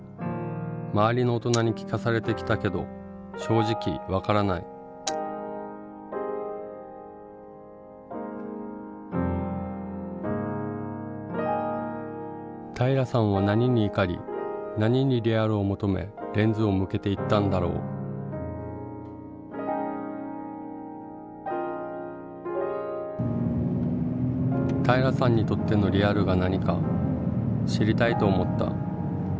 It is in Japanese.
周りの大人に聞かされてきたけど正直分からない平良さんは何に怒り何にリアルを求めレンズを向けていったんだろう平良さんにとってのリアルが何か知りたいと思った。